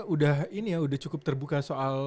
udah ini ya udah cukup terbuka soal